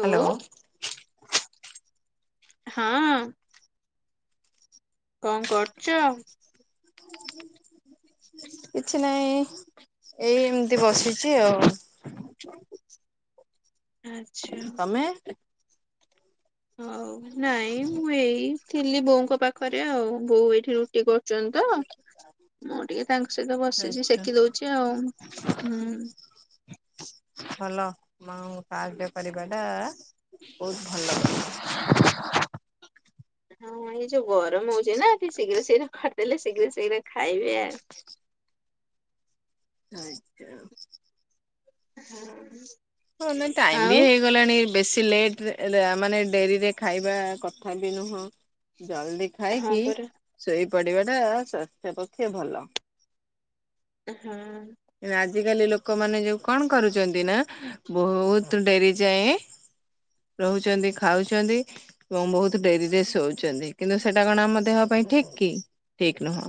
Hello. ହଁ। କଣ କରୁଚ? କିଛି ନାଇଁ ଏଇ ଏମିତି ବସିଛି ଆଉ। ଆଚ୍ଛା ତୋମେ ହଉ ନାଇଁ ମୁଁ ଏଇ ଥିଲି ବୋଉଙ୍କ ପାଖରେ ଆଉ ବୋଉ ଏଇଠି ରୁଟି କର ଚନ୍ତ ମୁଁ ଟିକେ ତାଙ୍କ ସହିତ ବସିଛି ଆଚ୍ଛା ଶେକି ଦଉଛି ଆଉ। ହୁଁ, ଭଲ ମାଙ୍କୁ ସାହାଯ୍ଯ କରିବା ଟା ବହୁତ ଭଲ। ହଁ ଏଇ ଯୋଉ ଗରମ ହଉଚି ନା ଟିକେ ଶୀଘ୍ର ଶୀଘ୍ର କରଦେଲେ ଶୀଘ୍ର ଶୀଘ୍ର ଖାଇବେ ଆ। ଆଚ୍ଛା। ହଁ। ହଁ ନା ଟାଇମ ବି ହେଇଗଲାଣି ବେଶ ଲେଟ୍ ରେ ରା -ମାନେ ଡେରିରେ ଖାଇବା କଥା ବି ନୁହଁ। ଜଲଦି ହଁ ଖାଇକି ପରା ଶୋଇ ପଡିବା ଟା ସ୍ୱାସ୍ଥ୍ୟ ପକ୍ଷେ ଭଲ। ହଁ। ଆଜ କାଲି ଲୋକମାନେ ଯୋଉ କଣ କରୁଚନ୍ତି ନା ବହୁତ ଡେରି ଯାଏଁ ରହୁଛନ୍ତି ଖାଉଛନ୍ତି ଏବଂ ବହୁତ ଡେରିରେ ଶୋଉଛନ୍ତି, କିନ୍ତୁ ସେଟା କଣ ଆମ ଦେହ ପାଇଁ ଠିକ କି ଠିକ ନୁହଁ।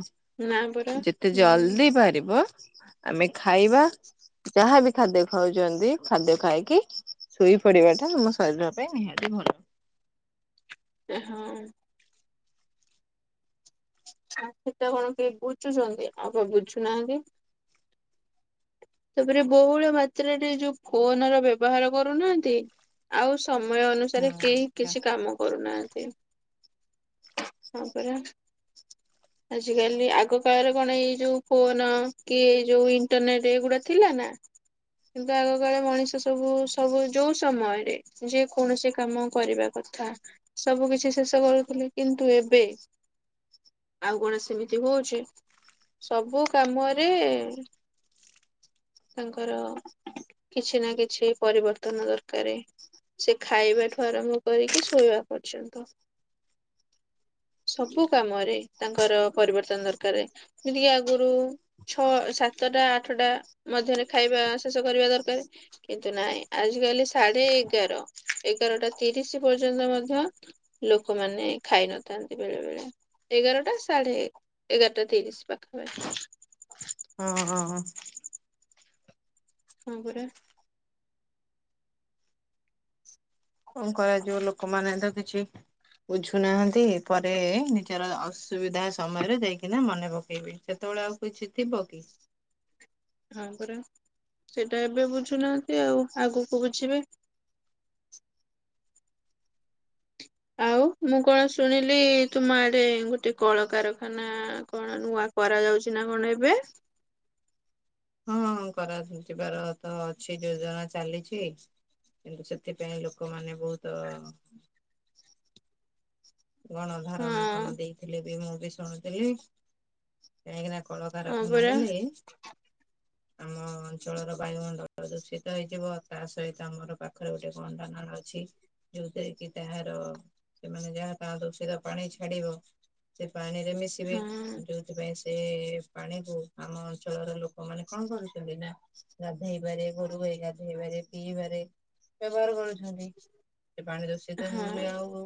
ନା ପରା ଯେତେ ହୁଁ ଜଲଦି ପାରିବ ଆମେ ଖାଇବା ଯାହାବି ଖାଦ୍ୟ ଖାଉଚନ୍ତି। ଖାଦ୍ୟ ଖାଇକି ଶୋଇ ପଡିବା ଟା ଆମ ଶରୀର ପାଇଁ ନିହାତି ଭଲ। ହଁ। ଆ ସେଟା କଣ କେହି ବୁଝୁଛନ୍ତି ଆଉ ପା ବୁଝୁନାହାନ୍ତି। ତାପରେ ବହୁଳ ମାତ୍ରାରେ ଯୋଉ ଫୋନ୍ ର ବ୍ୟବହାର କରୁନାହାନ୍ତି, ଆଉ ସୁ ସମୟ ହୁଁ ଅନୁସାରେ କେହି ଆଚ୍ଛା କିଛି କାମ କରୁନାହା ସେମ ତାପରେ ଆଜିକାଲି ଆଗ କାଳରେ କଣ ଏଇ ଯୋଉ ଫୋନ କି ଏଇ ଯୋଉ ଇଣ୍ଟରନେଟ ଏଗୁଡା। ଥିଲା ନା କିନ୍ତୁ ଆଗକାଳେ ମଣିଷ ସବୁ ସବୁ ଯୋଉ ସମୟରେ ଯେ କୌଣସି କାମ କରିବା କଥା ସବୁ କିଛି ଶେଷ କରୁଥିଲେ କିନ୍ତୁ ଏବେ ଆଉ କଣ ସେମିତି ହଉଛି ସବୁ କାମରେ। ତାଙ୍କର କିଛି ନା କିଛି ପରିବର୍ତ୍ତନ ଦରକାରାରେ ସେ ଖାଇବା ଠୁ ଆରମ୍ଭ କରିକି ଶୋଇବା ପର୍ଯ୍ୟନ୍ତ ସବୁ କାମରେ ତାଙ୍କର ପରିବର୍ତ୍ତନ ଦରକାର ଯେମିତିକି ଆଗରୁ। ଛଅ ସାତଟା ଆଠଟା। ମଧ୍ୟରେ ଖାଇବା ଶେଷ କରିବା ଦରକାର କିନ୍ତୁ ନହିଁ ଆଜ କାଲି ସାଢେ ଏଗାର ଏଗାରଟା ତିରିଶ ପର୍ଯ୍ୟନ୍ତ ମଧ୍ୟ ଲୋକମାନେ ଖାଇନଥାନ୍ତି ବେଳେ ବେଳେ ଏଗାରଟା ସାଢେ ଏଗାରଟା ତିରିଶ ପାଖାପାଖି। ହଁ ହଁ ହଁ। ହଁ ପରା କଣ କରାଯିବ ଲୋକମାନେ ତ କିଛି ବୁଝୁ ନାହାନ୍ତି ପରେ ନିଜର ଅସୁବିଧା ସମୟରେ ଦେଇକିନା ମନେ ପକେଇବେ ସେତେବେଳେ ଆଉ କିଛି ଥିବ କି? ହଁ ପରା ସେଇଟା ଏବେ ବୁଝୁନାହାନ୍ତି ଆଉ ଆଗକୁ ବୁଝିବେ। ଆଉ ମୁଁ କଣ ଶୁଣିଲି ତୁମ ଆଡେ ଗୋଟେ କଳକାରଖାନା କଣ ନୂଆ କରାଯାଉଛି ନା କଣ ଏବେ? ହଁ କରାଯିବାର ତ ଅଛି ଯୋଜନା ଚାଲିଛି କିନ୍ତୁ ସେଥିପାଇଁ ଲୋକମାନେ। ବହୁତ। ଗଣ ହଁ ଧାରଣା କଣ ଦେଇଥିଲେ ବି ମୁଁ ବି ଶୁଣୁଥିଲି କାହିଁକିନା ହଁ କଳକାରଖାନା ପରା ହେଲେ। ଆମ ଅଞ୍ଚଳର ବାୟୁମଣ୍ଡଳ ଦୂଷିତ ହେଇଯିବ ତା ସହିତ ଆମର ପାଖରେ ଗୋଟେ ଗଣ୍ଡ ନାଳ ଅଛି ଯୋଉଥିରେ କି ତାହାର ସେମାନେ ଯାହା। ତା ଦୂଷିତ ପାଣି ଛାଡିବ। ପାଣିରେ ମିଶିବେ ହଁ ଯୋଉଥିପାଇଁ ସେ ସେ ପାଣିକୁ ଆମ ଅଞ୍ଚଳର ଲୋକମାନେ କଣ କରୁଛନ୍ତି ନା ଗାଧେଇବାରେ ଗୋରୁ ଗାଈ ଗାଧେଇବାରେ ପିଇବାରେ ବ୍ୟବହାର କରୁଛନ୍ତି। ସେ ପାଣି ଦୂଷିତ ହେଇଗଲେ ହଁ ଆଉ।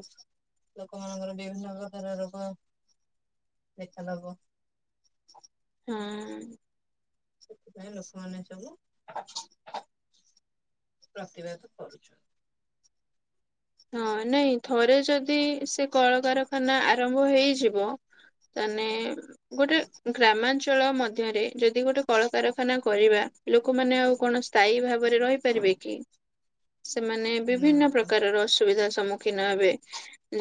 ଲୋକମାନାନଙ୍କର ବିଭିନ୍ନ ପ୍ରକାର ରୋଗ ଦେଖାଦବ। ହଁ। ସେଥିପାଇଁ ଲୋକମାନେ ସବୁ। ଆ [inaudible] ପ୍ରତିବାଦ କରୁଛନ୍ତି। ହଁ ନାଇଁ ଥରେ ଯଦି ସେ କଳକାରଖାନା ଆରମ୍ଭ ହେଇଯିବ ତାନେ ଗୋଟେ ଗ୍ରାମାଞ୍ଚ ଅଞ୍ଚଳ ମଧ୍ୟରେ ଯଦି ଗୋଟେ କଳକାରଖାନା କରିବା। ଲୋକମାନେ ଆଉ କଣ ସ୍ଥାୟୀ ଭାବରେ ରହିପାରିବେ କି? ସେମାନେ ନା ବିଭିନ୍ନ ପ୍ରକାରର ଅସୁ ସମ୍ମୁଖୀନ ହେବେ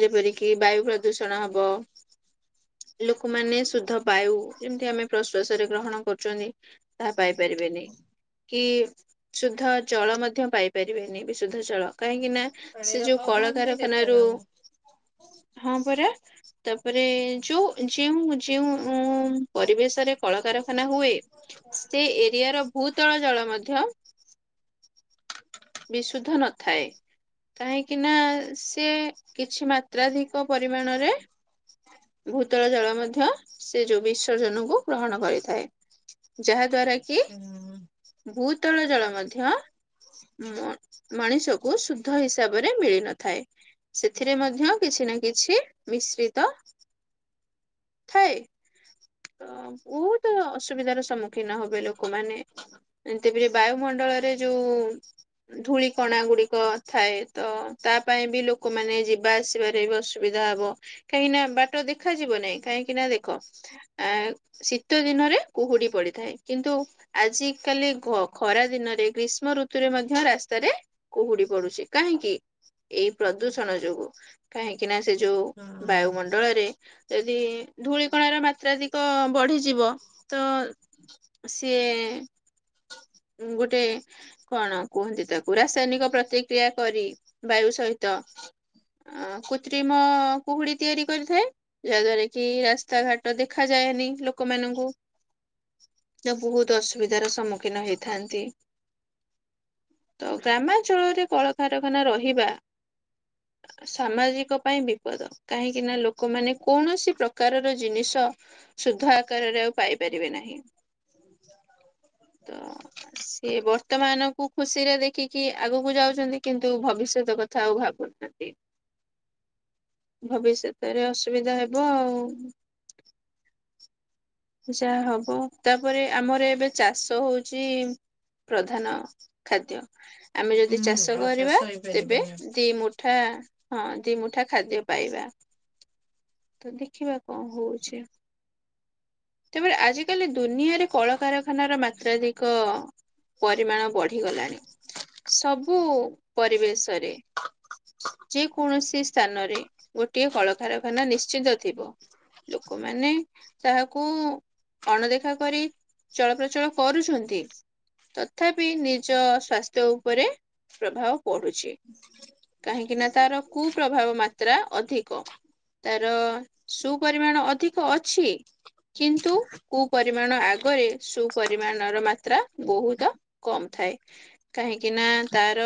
ଯେପରିକି ବାୟୁ ପ୍ରଦୂଷଣ ହବ ଲୋକମାନେ ଶୁଦ୍ଧ ବାୟୁ ଯେମିତି ଆମେ ପ୍ରଶ୍ଵାସରେ ଗ୍ରହଣ କରୁଛନ୍ତି ତାହା ପାଇପାରିବେନି କି ସୁଦ୍ଧ ଜଳ ମଧ୍ୟ ପାଇପାରି ବେନି ବି ଶୁଦ୍ଧ ଜଳ କାହିଁକି ନା ସେ ପାଣିର ଯୋଉ ଅଭାବ ବି କଳକାରଖାନାରୁ ଦେଖାଯାଉ ହଁ ପରା ତାପରେ ଯୋଉ ଯେଉଁ ଯେଉଁ ପରିବେଶରେ କଳକାରଖାନା ହୁଏ ସେ ଏରିଆର ଭୂତଳ ଜଳ ମଧ୍ୟ ବିଶୁଦ୍ଧ ନଥାଏ କାହିଁକି ନା ସେ କିଛି ମାତ୍ରାଧିକ ପରିମାଣରେ ଭୂତଳ ଜଳ ମଧ୍ୟ ସେ ଯୋଉ ବିସର୍ଜନକୁ ଗ୍ରହଣ କରିଥାଏ ଯାହା ଦ୍ଵାରା କି ହୁଁ ବହୁତ ଭୂତଳ ଜଳ ମଧ୍ୟ ମଁ ମଣିଷକୁ ଶୁଦ୍ଧ ହିସାବରେ ମିଳି ନଥାଏ ସେଥିରେ ମଧ୍ୟ କିଛି ନା କିଛି ମିଶ୍ରିତ ଥାଏ। ତ ବହୁତ ଅସୁବିଧାର ସମ୍ମୁଖୀନ ହବେ ଲୋକମାନେ ଏବେ ବାୟୁମଣ୍ଡଳରେ ଯୋଉ ଧୂଳିିକଣା ଗୁଡିକ ଥାଏ ତ ତା ପାଇଁ ବି ଲୋକମାନେ ଯିବା ଆସିବାରେ ବି ଅସୁବିଧା ହବ କାହିଁକି ନା ବାଟ ଦେଖାଯିବ ନାହିଁ କାହିଁକି ନା ଦେଖ? ଆ ଶୀତ ଦିନରେ କୁହୁଡି ପଡିଥାଏ କିନ୍ତୁ ଆଜ କାଲି ଖରା ଦିନରେ ଗ୍ରୀଷ୍ମ ଋତୁରେ ମଧ୍ୟ ରାସ୍ତାରେ କୁହୁଡି ପଡୁଛି କାହିଁକି ଏଇ ପ୍ରଦୂଷଣ ଯୋଗୁ କାହିଁକି ନା? ସେ ଯୋଉ ହଁ ବାୟୁମଣ୍ଡଳରେ ଯଦି ଧୂଳିିକଣ ର ମା ଯତ୍ରାଧିକ ବଢିଯିବ ତ ସିଏ ଗୋଟେ କଣ କୁହନ୍ତି ତାକୁ ରାସାୟନିକ ପ୍ରତିକ୍ରିୟା କରି ବାୟୁ ସହିତ କୃତ୍ରିମ କୁହୁଡି ତିଆରି କରିଥାଏ ଯାହାଦ୍୍ଵାରା କି ରାସ୍ତାଘାଟ ଦେଖାଯାଏନି ଲୋକମାନାନଙ୍କୁ ତ ବହୁତ ଅସୁବିଧାର ସମ୍ମୁଖୀନ ହେଇଥାନ୍ତି ତ ଗ୍ରାମାଞ୍ଚଳରେ କଳକାରଖାନା ରହିବା ସାମାଜିକ ପାଇଁ ବିପଦ କାହିଁକି ନଆ ଲୋକମାନେ କୌଣସି ପ୍ରକାରର ଜିନିଷ - ଶୁଦ୍ଧ ଆକାରରେ ଆଉ ପାଇପାରିବେ ନାହିଁ। ତ ସି ବର୍ତ୍ତମାନ ଖୁସିରେ ଦେଖିକି ଆଗକୁ ଯାଉଛନ୍ତି କିନ୍ତୁ ଭବିଷ୍ୟତ କଥା ଆଉ ଭାବୁନାହାନ୍ତି ଭବିଷ୍ୟତରେ ଅସୁବିଧା ହବ ଆଉ। [unintelligible] ଯାହା ହବ ତାପରେ ଆମର ଏବେ ଚାଷ ହଉଛି ପ୍ରଧାନ ଖାଦ୍ୟ। ଆମେ ଯଦି ହୁଁ ଚାଷ ଆଉ କରିବା ତେବେ ହେଇପାରିବନି ଦି ମୁଠା ହଁ ଦିମୁଠା ଖାଦ୍ୟ ପାଇବା ତ ଦେଖିବା କଣ ହଉଛି। ତେବେ ଆଜିକାଲି ଦୁନିଆରେ କଳକାରଖାନାର ମାତ୍ରାଧିକ ପରିମାଣ ବଢିଗଲାଣି ସବୁ ପରିବେଶରେ ଯେ କୌଣସି ସ୍ଥାନରେ ଗୋଟିଏ କଳକାରଖାନା ନିଶ୍ଚିତ ଥିବ ଲୋକମାନେ ତାହା କୁ ଅଣଦେଖା କରି ଚଳପ୍ରଚଳ କରୁଛନ୍ତି ତଥାପି ନିଜ ସ୍ୱାସ୍ଥ୍ୟ ଉପରେ ପ୍ରଭାବ ପଡୁଛି କାହିଁକି ନା ତାର କୁପ୍ରଭାବ ମାତ୍ରା ଅଧିକ ତାର ସୁପରିମାଣ ଅଧିକ ଅଛି। କିନ୍ତୁ କୁପରିମାଣ ଆଗରେ ସୁପରିମାଣର ମାତ୍ରା ବହୁତ କମ୍ ଥାଏ କାହିଁକି ନା ତାର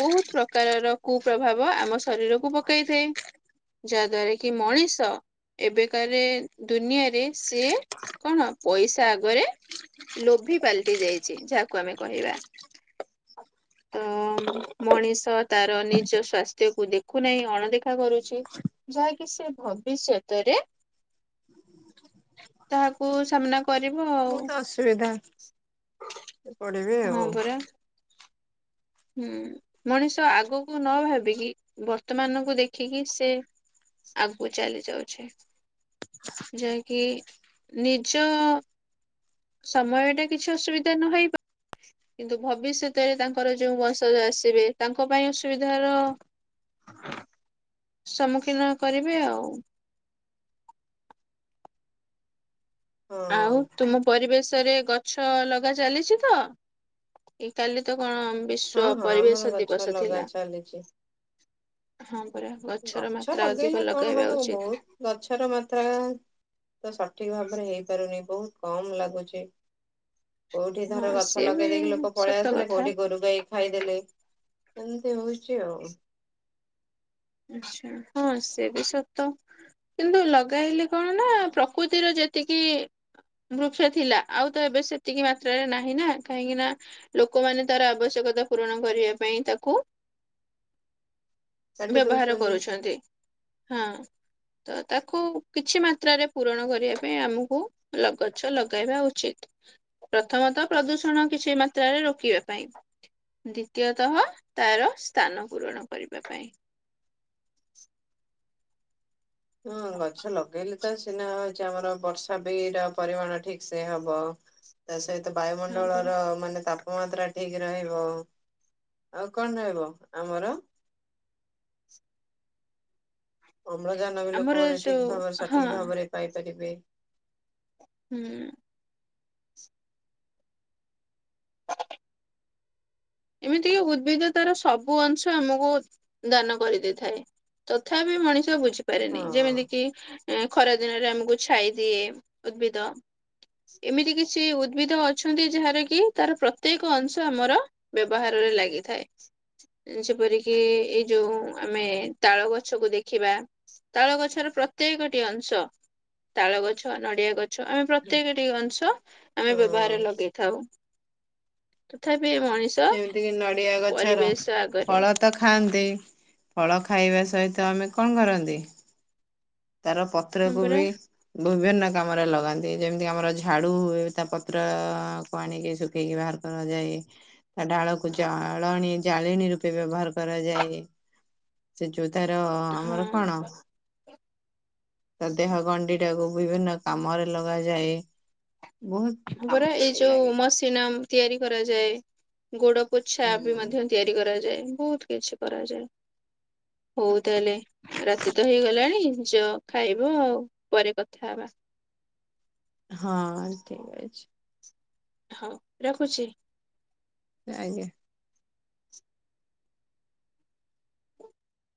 ବହୁତ ପ୍ରକାରର କୁପ୍ରଭାବ ଆମ ଶରୀରକୁ ପକାଇଥାଏ ଯାହାଦ୍୍ଵାରା କି ମଣିଷ ଏବେକାରେ ଦୁନିଆରେ ସିଏ କଣ ପଇସା ଆଗରେ ଲୋଭି ପାଲଟି ଯାଇଛି ଯାହାକୁ ଆମେ କହିବା ତ ମଣିଷ ତାର ନିଜ ସ୍ୱାସ୍ଥ୍ୟକୁ ଦେଖୁନାହିଁ ଅଣଦେଖା କରୁଛି ଯାହାକି ସେ ଭବିଷ୍ୟତରେ ତାହାକୁ ସାମ୍ନା କରିବ ଆଉ। ପଢିବି ହଁ ଆଉ। ପରା ହୁଁ ମଣିଷ ଆଗକୁ ନ ଭାବିକି ବର୍ତ୍ତମାନ କ ଦେଖିକି ସେ ଆଗକୁ ଚାଲି ଯାଉଛେ ଯାହାକି ନିଜ ସମୟ ଟା କିଛି ଅସୁବିଧା ନହଇ ପ କିନ୍ତୁ ଭବିଷ୍ୟତରେ ତାଙ୍କର ଯୋଉ ବଂଶ ଆସିବେ ତାଙ୍କ ପାଇଁ ଅସୁବିଧାର ସମ୍ମୁଖୀନ କରିବେ ଆଉ। ହଁ ଆଉ ତୁମ ପରିବେଶରେ ଗଛ ଲଗା ଚାଲିଛି ତ କି କାଲି ତ କଣ ହଁ ବିଶ୍ପ ହଁ ଆମର ପରିବେଶ ଗଛ ଦିବସ ଲଗା ଥିଲା। ଚାଲିଛି ହଁ ପରା ଗଛର ଗଛ ମାତ୍ରା ଅଧିକ ଲଗେଇଲେ କଣ ଲଗାଇବା ହବ ଉଚିତ ବହୁତ ଗଛର ମାତ୍ରା ତ ସଠିକ। ଠିକ ଭାବରେ ହେଇପାରୁନି। ବହୁତ କମ ଲାଗୁଛି। କୋଉଠି ଧର ହଁ ଗଛ ସିଏ ଲଗେଇ ବି ଦେଇେଇକି ଲୋକ ପଳେଇ ସତ ଆସିଲେ କଥା। କୋଉଠି ଗୋରୁ ଗାଈ ଖାଇଦେଲେ ସେମିତି ହଉଛି ଆଉ। ଆଛା ହଁ ସେ ବି ସତ କିନ୍ତୁ ଲଗାଇଲେ କଣ ନା ପ୍ରକୃତିର ଯେତିକି ବୃକ୍ଷ ଥିଲା ଆଉ ତ ଏବେ ସେତିକି ମାତ୍ରାରେ ନାହିଁ ନା କାହିଁକି ନା ଲୋକମାନେ ତାର ଆବଶ୍ୟକତା ପୂରଣ କରିବା ପାଇଁ ତାକୁ କାଟି ବ୍ୟବହାର ଦଉଛନ୍ତି। କରୁଛନ୍ତି। ହଁ ତ ତାକୁ କିଛି ମାତ୍ରାରେ ପୂରଣ କରିବା ପାଇଁ ଆମକୁ ଗଛ ଲଗାଇବା ଉଚିତ ପ୍ରଥମତଃ ପ୍ରଦୂଷଣ କିଛି ମାତ୍ରାରେ ରୋକିବା ପାଇଁ ଦ୍ଵିତୀୟତଃ ତାର ସ୍ଥାନ ପୂରଣ କରିବା ପାଇଁ। ହଁ ଗଛ ଲଗେଇଲେ ତ ସିନା ହଉଛି ଆମର ବର୍ଷା ବି ର ପରିମାଣ ଠିକ ସେ ହବ। ସହିତ ହଁ ପରା ବାୟୁମଣ୍ଡଳର ମାନେ ତା ମାତ୍ରା ଠିକ ରହିବ ଆଉ କଣ ରହିବ ଆମର। ଅମ୍ଳଜାନ ବି ଆମର ଲୋକମାନେ ଯୋଉ ଠିକ ଭାବରେ ହଁ ସଠିକ ଭାବରେ ପାଇପାରିବେ। ହୁଁ। ଏମିତିକ ଉଦ୍ଭିଦ ତାର ସବୁ ଅଂଶ ଆମକୁ ଦାନ କରିଦେଇଥାଏ ତଥାପି ମଣିଷ ବୁଝେ ପାରେନି ହଁ ଯେମିତି କି ଖରା ଦିନରେ ଆମକୁ ଛାଇ ଦିଏ ଉଦ୍ଭିଦ ଏମିତି କିଛି ଉଦ୍ଭିଦ ଅଛନ୍ତି ଯାହାରକି ତାର ପ୍ରତ୍ୟେକ ଅଂଶ ଆମର ବ୍ୟବହାରରେ ଲାଗିଥାଏ ଯେପରିକି ଏଇ ଯୋଉ ଆମେ ତାଳ ଗଛକୁ ଦେଖିବା ତାଳ ଗଛର ପ୍ରତ୍ୟେକଟି ଅଂଶ ତାଳ ଗଛ ନଡିଆ ଗଛ ଛ ଆମେ ପ୍ରତ୍ୟେକଟି ଅଂଶ ଆମେ ହଁ ବ୍ୟବହାରରେ ଲଗେଇଥାଉ। ତଥାପି ଏ ମଣି ଯେମିତି କିି ନଡିଆ ଗଛର ଆଗରେ ଫଳ ତ ଖାଆନ୍ତି ଫଳ ଖାଇବା ସହିତ ଆମେ କଣ କରନ୍ତି? ତାର ହଁ ପତ୍ରକୁ ପରା ବି ବିଭିନ୍ନ କାମରେ ଲଗାନ୍ତି ଯେମିତି ଆମର ଝାଡୁ ହୁଏ ତା ବିଭିନ୍ନ କାମରେ ଲଗାନ୍ତି ଯେମିତିକି ଆମରଝାଡୁ ହୁଏ ତ ପତ୍ରକୁ ଆଣିକି ଶୁଖେଇକି ବାହାର କରାଯାଏ ତା ଢାଳକୁ ଜଳଣି ଜାଳେଣି ରୂପେ ବ୍ୟବହାର କରାଯାଏ ସେ ଯୋ ତାର ହଁ ଆମର କଣ ତା ଦେହ ଗଣ୍ଡି ଟାକୁ ବିଭିନ୍ନ କାମରେ ଲଗାଯାଏ। ବହୁତ ହଁପରା କାମରେ ଏଇ ସେ ଯୋଉ ଲାଗେ ମସିନା ତିଆରି କରାଯାଏ। ଗୋଡ ପୋଛା ବି ହୁଁ ମଧ୍ୟ ତିଆରି କରାଯା ଯାଏ ବହୁତ କିଛି କରାଯାଏ ହଉ ତାହେଲେ ରାତି ତ ହେଇଗଲାଣି ଯଅ ଖାଇବ ଆଉ ପରେ କଥା ହବା। ହଁ ଠିକ ଅଛି। ହଁ ରଖୁଛି। ଆଜ୍ଞା।